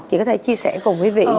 chị có thể chia sẻ cùng quý vị